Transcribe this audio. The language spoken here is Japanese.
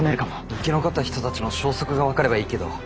生き残った人たちの消息が分かればいいけど。